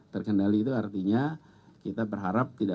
terkendali itu artinya kita berharap tidak